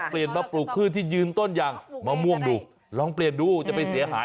ปลูกขึ้นที่ยืนต้นอย่างมะม่วงดูลองเปลี่ยนดูจะไปเสียหาย